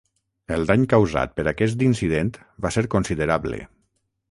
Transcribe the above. El dany causat per aquest incident va ser considerable.